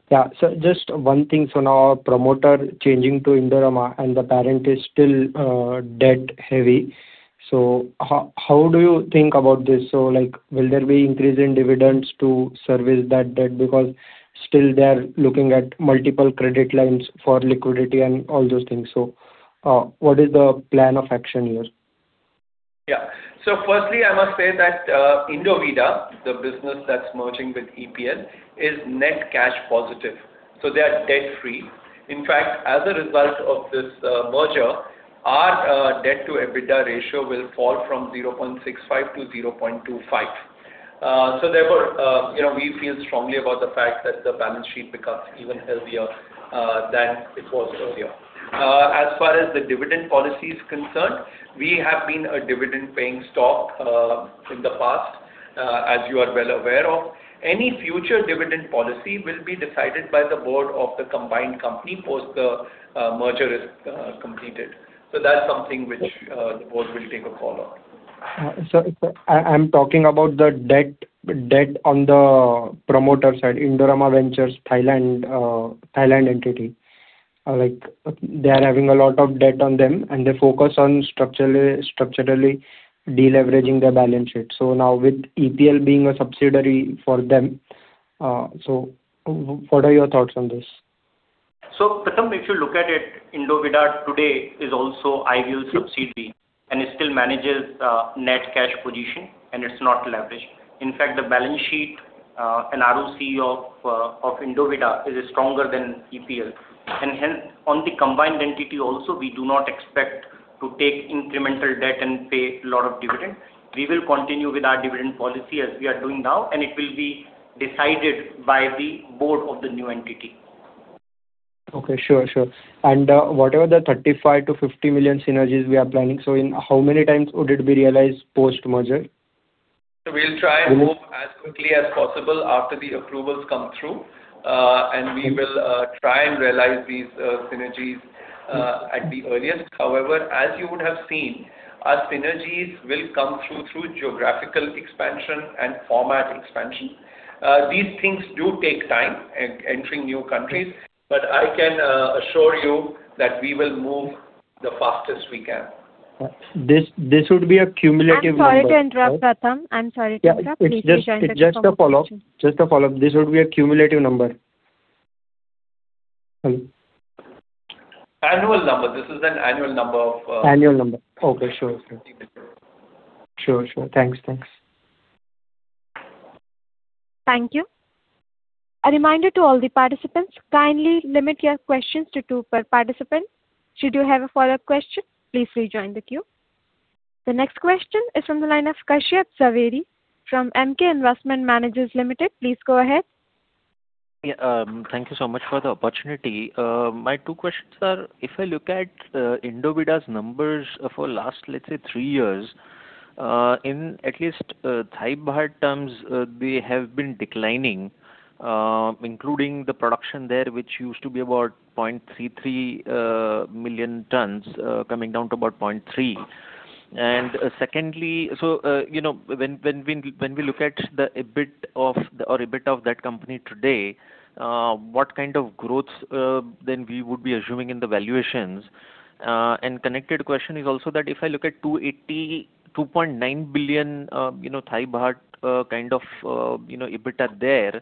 Yeah. Just one thing. Now our promoter changing to Indorama and the parent is still debt heavy. How do you think about this? Like, will there be increase in dividends to service that debt? Because still they are looking at multiple credit lines for liquidity and all those things. What is the plan of action here? Yeah. Firstly, I must say that Indovida, the business that's merging with EPL, is net cash positive, so they are debt-free. In fact, as a result of this merger, our debt to EBITDA ratio will fall from 0.65 to 0.25. You know, we feel strongly about the fact that the balance sheet becomes even healthier than it was earlier. As far as the dividend policy is concerned, we have been a dividend-paying stock in the past, as you are well aware of. Any future dividend policy will be decided by the board of the combined company post the merger is completed. That's something which the board will take a call on. I'm talking about the debt on the promoter side, Indorama Ventures, Thailand entity. Like, they are having a lot of debt on them, and they focus on structurally de-leveraging their balance sheet. Now with EPL being a subsidiary for them, what are your thoughts on this? Pratham, if you look at it, Indovida today is also IVL's subsidiary, and it still manages net cash position and it's not leveraged. In fact, the balance sheet and ROC of Indovida is stronger than EPL. Hence, on the combined entity also, we do not expect to take incremental debt and pay a lot of dividend. We will continue with our dividend policy as we are doing now, and it will be decided by the board of the new entity. Okay. Sure, sure. What are the $35 million-$50 million synergies we are planning? In how many times would it be realized post-merger? We'll try and move as quickly as possible after the approvals come through, and we will try and realize these synergies at the earliest. However, as you would have seen, our synergies will come through geographical expansion and format expansion. These things do take time entering new countries, but I can assure you that we will move the fastest we can. This would be a cumulative number. I'm sorry to interrupt, Pratham. Yeah. It's just a follow-up. This would be a cumulative number. Annual number. This is an annual number of— Annual number. Okay. Sure, sure. —things. Sure. Thanks. Thank you. A reminder to all the participants, kindly limit your questions to two per participant. Should you have a follow-up question, please rejoin the queue. The next question is from the line of Kashyap Javeri from Emkay Investment Managers Limited. Please go ahead. Yeah. Thank you so much for the opportunity. My two questions are, if I look at Indovida's numbers for last, let's say, three years, in at least Thai baht terms, they have been declining, including the production there, which used to be about 0.33 million tons, coming down to about 0.3. Secondly, you know, when we look at the EBITDA of that company today, what kind of growth then we would be assuming in the valuations? Connected question is also that if I look at 282.9 billion THB, you know, kind of, you know, EBITDA there,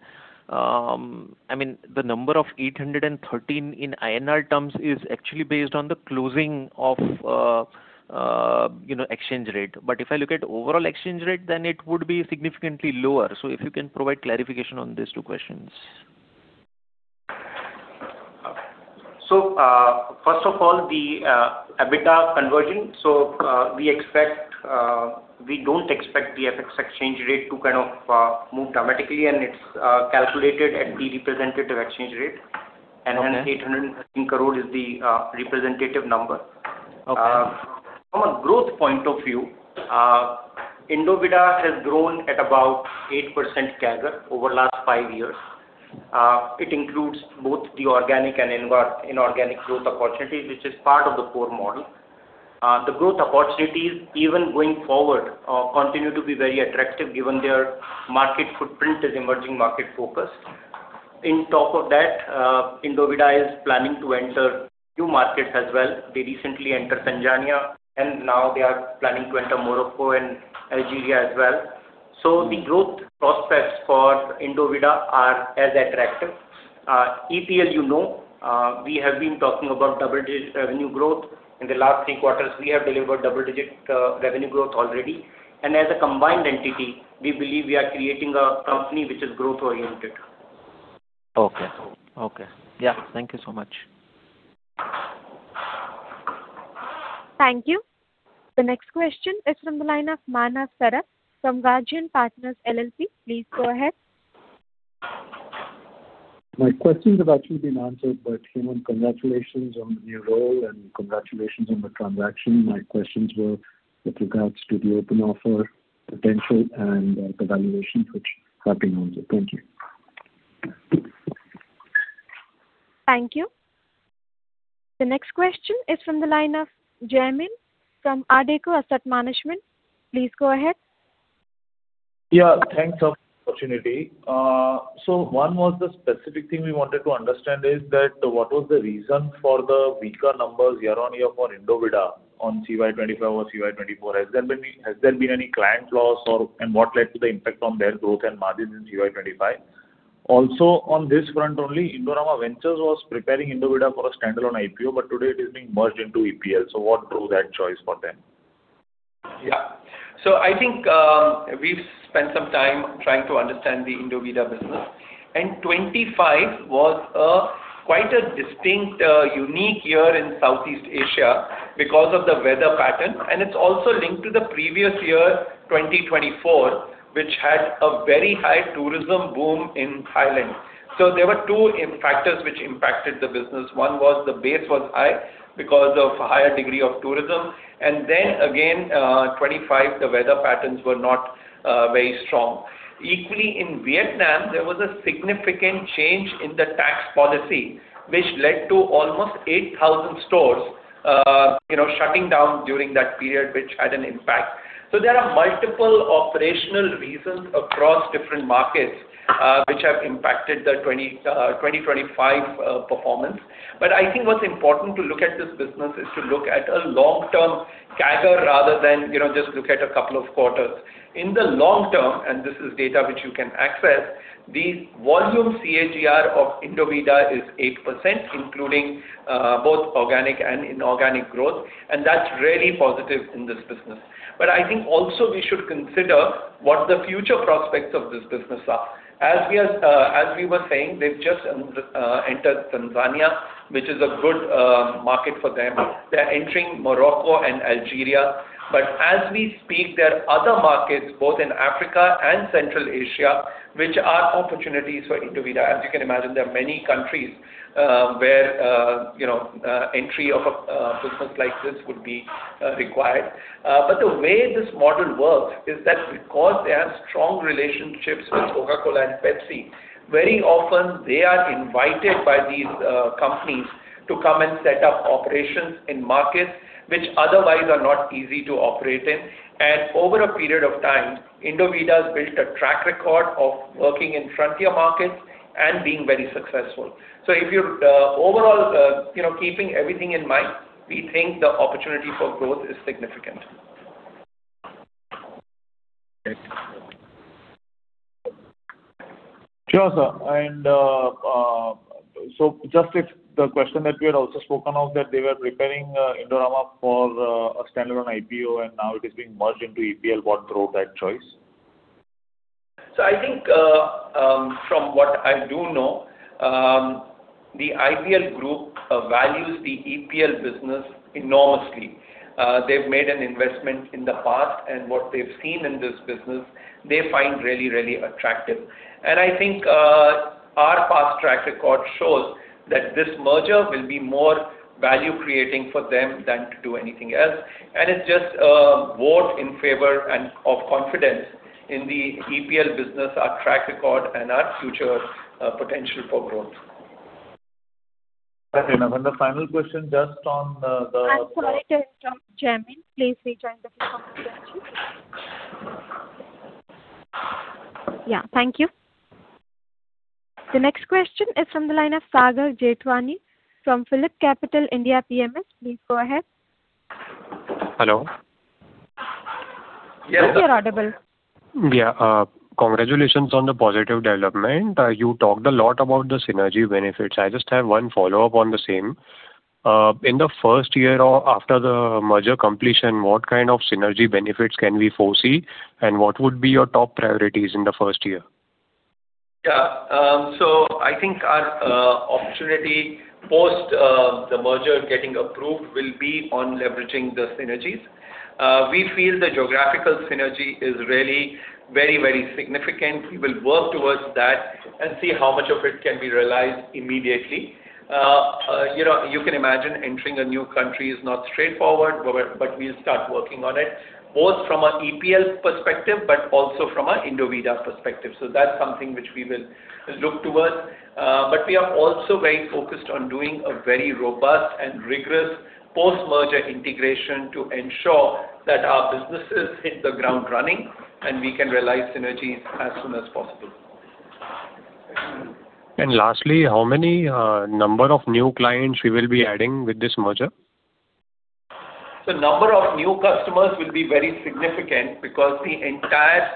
I mean, the number of 813 in INR terms is actually based on the closing exchange rate. If I look at overall exchange rate, then it would be significantly lower. If you can provide clarification on these two questions. First of all, the EBITDA conversion. We don't expect the FX exchange rate to kind of move dramatically, and it's calculated at the representative exchange rate. Okay. 813 crore is the representative number. Okay. From a growth point of view, Indovida has grown at about 8% CAGR over last five years. It includes both the organic and inorganic growth opportunities, which is part of the core model. The growth opportunities even going forward continue to be very attractive given their market footprint is emerging market focused. On top of that, Indovida is planning to enter new markets as well. They recently entered Tanzania, and now they are planning to enter Morocco and Algeria as well. So the growth prospects for Indovida are as attractive. EPL, you know, we have been talking about double-digit revenue growth. In the last three quarters, we have delivered double-digit revenue growth already. As a combined entity, we believe we are creating a company which is growth-oriented. Okay. Yeah. Thank you so much. Thank you. The next question is from the line of Manas Sarath from Guardian Partners LLP. Please go ahead. My questions have actually been answered, but, Hemant, congratulations on the new role and congratulations on the transaction. My questions were with regards to the open offer potential and, the valuations which have been answered. Thank you. Thank you. The next question is from the line of Jaymin from Adecco Asset Management. Please go ahead. Yeah, thanks for the opportunity. One was the specific thing we wanted to understand is that what was the reason for the weaker numbers year on year for Indovida on CY 2025 or CY 2024? Has there been any client loss or, and what led to the impact on their growth and margins in CY 2025? Also, on this front only, Indorama Ventures was preparing Indovida for a standalone IPO, but today it is being merged into EPL. What drove that choice for them? Yeah, I think we've spent some time trying to understand the Indovida business. 2025 was quite a distinct unique year in Southeast Asia because of the weather pattern, and it's also linked to the previous year, 2024, which had a very high tourism boom in Thailand. There were two factors which impacted the business. One was the base was high because of higher degree of tourism. Then again, 2025, the weather patterns were not very strong. Equally, in Vietnam, there was a significant change in the tax policy, which led to almost 8,000 stores, you know, shutting down during that period, which had an impact. There are multiple operational reasons across different markets which have impacted the 2025 performance. I think what's important to look at this business is to look at a long-term CAGR rather than, you know, just look at a couple of quarters. In the long term, and this is data which you can access, the volume CAGR of Indovida is 8%, including both organic and inorganic growth, and that's really positive in this business. I think also we should consider what the future prospects of this business are. As we were saying, they've just entered Tanzania, which is a good market for them. They're entering Morocco and Algeria. As we speak, there are other markets, both in Africa and Central Asia, which are opportunities for Indovida. As you can imagine, there are many countries where, you know, entry of a business like this would be required. The way this model works is that because they have strong relationships with Coca-Cola and PepsiCo, very often they are invited by these companies to come and set up operations in markets which otherwise are not easy to operate in. Over a period of time, Indovida has built a track record of working in frontier markets and being very successful. If you're overall, you know, keeping everything in mind, we think the opportunity for growth is significant. Sure, sir. Just if the question that we had also spoken of, that they were preparing Indorama for a standalone IPO and now it is being merged into EPL, what drove that choice? I think, from what I do know, the IVL group values the EPL business enormously. They've made an investment in the past, and what they've seen in this business, they find really, really attractive. I think, our past track record shows that this merger will be more value creating for them than to do anything else. It's just a vote in favor and of confidence in the EPL business, our track record and our future potential for growth. Okay. The final question just on. I'm sorry to interrupt, Jaymin. Please rejoin the phone if you want to. Yeah. Thank you. The next question is from the line of Sagar Jethwani from PhillipCapital India PMS. Please go ahead. Hello. Yes. Yes, you're audible. Congratulations on the positive development. You talked a lot about the synergy benefits. I just have one follow-up on the same. In the first year or after the merger completion, what kind of synergy benefits can we foresee? What would be your top priorities in the first year? Yeah. I think our opportunity post the merger getting approved will be on leveraging the synergies. We feel the geographical synergy is really very, very significant. We will work towards that and see how much of it can be realized immediately. You know, you can imagine entering a new country is not straightforward, but we'll start working on it, both from an EPL perspective, but also from an Indovida perspective. That's something which we will look towards. We are also very focused on doing a very robust and rigorous post-merger integration to ensure that our businesses hit the ground running and we can realize synergies as soon as possible. Lastly, how many number of new clients you will be adding with this merger? The number of new customers will be very significant because the entire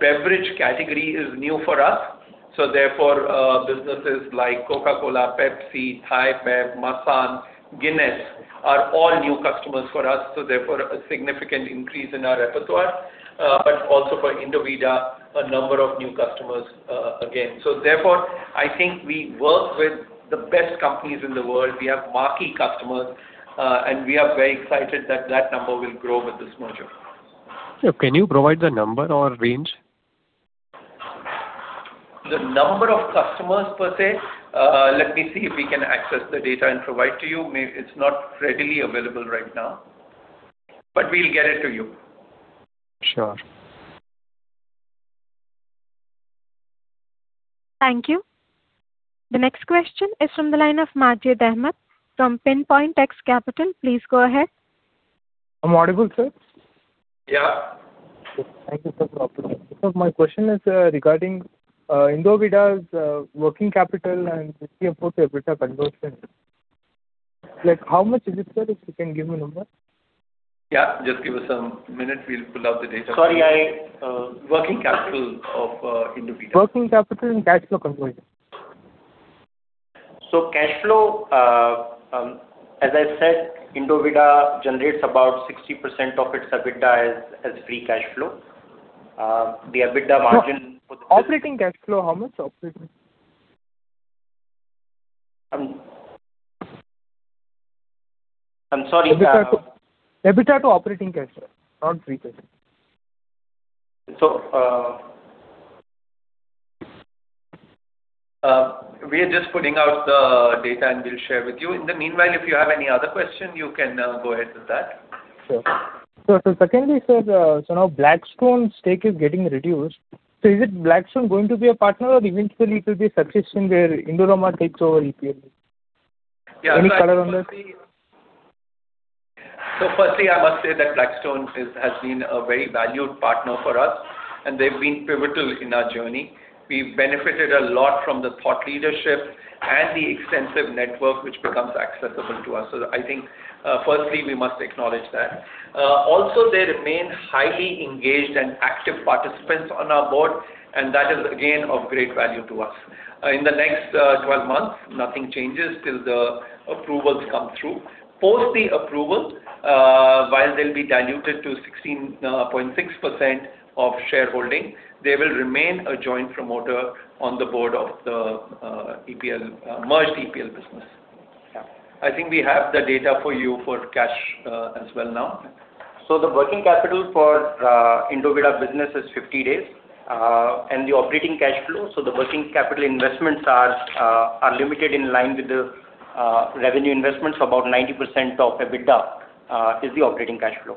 beverage category is new for us. Businesses like Coca-Cola, Pepsi, ThaiBev, Masan, Guinness are all new customers for us, so therefore a significant increase in our repertoire. Also for Indovida, a number of new customers, again. I think we work with the best companies in the world. We have marquee customers, and we are very excited that that number will grow with this merger. Sure. Can you provide the number or range? The number of customers per se? Let me see if we can access the data and provide to you. It's not readily available right now, but we'll get it to you. Sure. Thank you. The next question is from the line of Majid Ahamed from PinPoint X Capital. Please go ahead. I'm audible, sir? Yeah. Thank you, sir, for the opportunity. My question is regarding Indovida's working capital and 50% of EBITDA conversion. Like, how much is it, sir, if you can give me a number? Yeah, just give us some minutes. We'll pull out the data for you. Sorry, I, uh- Working capital of Indovida. Working capital and cash flow conversion. Cash flow, as I said, Indovida generates about 60% of its EBITDA as free cash flow. The EBITDA margin- Operating cash flow, how much operating? I'm sorry. EBITDA to operating cash flow, not free cash flow. We are just putting out the data, and we'll share with you. In the meanwhile, if you have any other question, you can go ahead with that. Sure. Secondly, sir, now Blackstone's stake is getting reduced. Is Blackstone going to be a partner or eventually it will be a situation where Indorama takes over EPL? Yeah. Any color on that? Firstly, I must say that Blackstone is, has been a very valued partner for us, and they've been pivotal in our journey. We've benefited a lot from the thought leadership and the extensive network which becomes accessible to us. I think, firstly, we must acknowledge that. Also they remain highly engaged and active participants on our board, and that is again of great value to us. In the next 12 months, nothing changes till the approvals come through. Post the approval, while they'll be diluted to 16.6% of shareholding, they will remain a joint promoter on the board of the EPL merged EPL business. Yeah. I think we have the data for you for cash, as well now. The working capital for Indovida business is 50 days. The operating cash flow, the working capital investments are limited in line with the revenue investments. About 90% of EBITDA is the operating cash flow.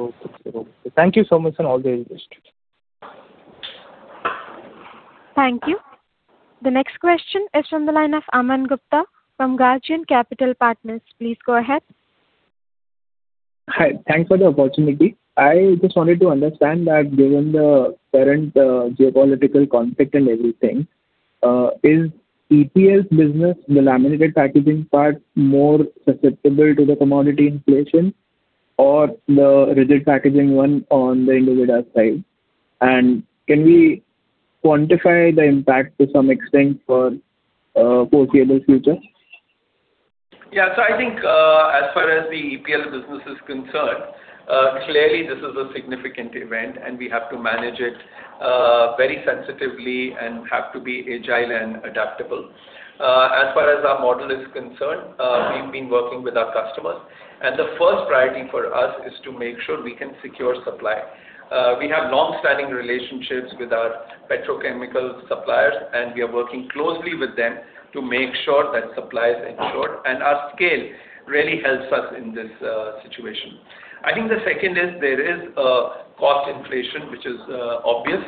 Okay. Thank you so much, and all the best. Thank you. The next question is from the line of Aman Gupta from Guardian Capital Partners. Please go ahead. Hi. Thanks for the opportunity. I just wanted to understand that given the current geopolitical conflict and everything, is EPL's business in the laminated packaging part more susceptible to the commodity inflation or the rigid packaging one on the Indovida side? Can we quantify the impact to some extent for foreseeable future? Yeah. I think, as far as the EPL business is concerned, clearly this is a significant event and we have to manage it very sensitively and have to be agile and adaptable. As far as our model is concerned, we've been working with our customers. The first priority for us is to make sure we can secure supply. We have long-standing relationships with our petrochemical suppliers, and we are working closely with them to make sure that supply is ensured. Our scale really helps us in this situation. I think the second is there is cost inflation, which is obvious.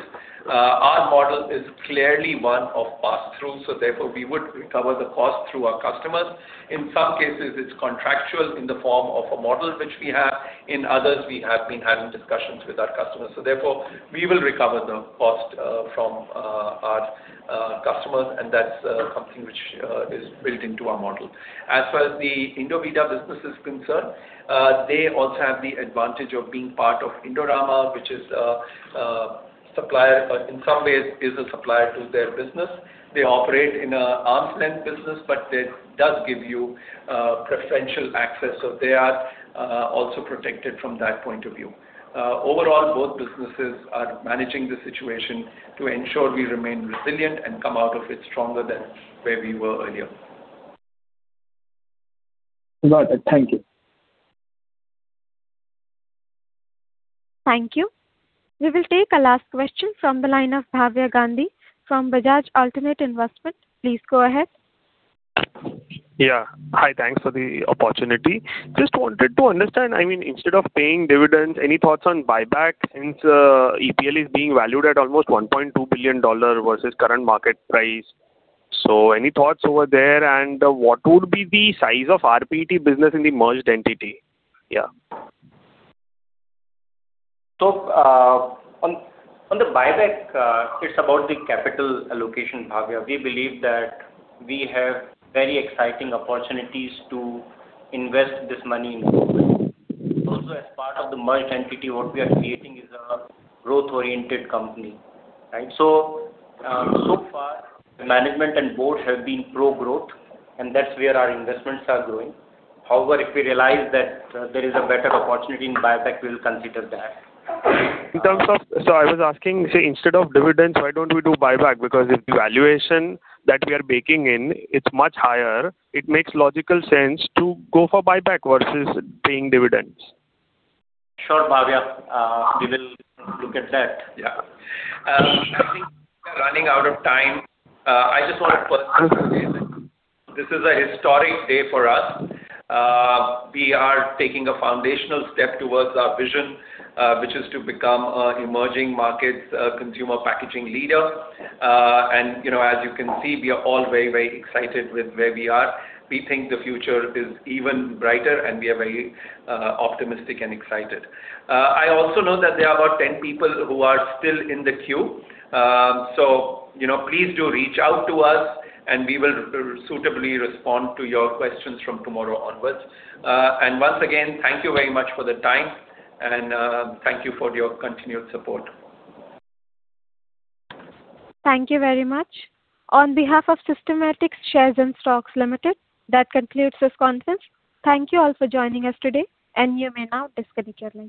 Our model is clearly one of pass-through, so therefore we would recover the cost through our customers. In some cases, it's contractual in the form of a model which we have. In others, we have been having discussions with our customers. We will recover the cost from our customers, and that's something which is built into our model. As far as the Indovida business is concerned, they also have the advantage of being part of Indorama, which in some ways is a supplier to their business. They operate in an arm's-length business, but it does give you preferential access, so they are also protected from that point of view. Overall, both businesses are managing the situation to ensure we remain resilient and come out of it stronger than where we were earlier. Got it. Thank you. Thank you. We will take a last question from the line of Bhavya Gandhi from Bajaj Alternate Investments. Please go ahead. Hi, thanks for the opportunity. Just wanted to understand, I mean, instead of paying dividends, any thoughts on buyback since EPL is being valued at almost $1.2 billion versus current market price. So any thoughts over there? And what would be the size of RPET business in the merged entity? Yeah. On the buyback, it's about the capital allocation, Bhavya. We believe that we have very exciting opportunities to invest this money in the company. Also, as part of the merged entity, what we are creating is a growth-oriented company. Right? So far the management and board have been pro-growth, and that's where our investments are growing. However, if we realize that there is a better opportunity in buyback, we'll consider that. I was asking, say instead of dividends, why don't we do buyback? Because if the valuation that we are baking in, it's much higher, it makes logical sense to go for buyback versus paying dividends. Sure, Bhavya. We will look at that. Yeah. I think we're running out of time. I just wanted to underscore this. This is a historic day for us. We are taking a foundational step towards our vision, which is to become a emerging markets consumer packaging leader. You know, as you can see, we are all very, very excited with where we are. We think the future is even brighter, and we are very, optimistic and excited. I also know that there are about 10 people who are still in the queue. You know, please do reach out to us and we will suitably respond to your questions from tomorrow onwards. Once again, thank you very much for the time and, thank you for your continued support. Thank you very much. On behalf of Systematix Shares and Stocks Limited, that concludes this conference. Thank you all for joining us today, and you may now disconnect your lines.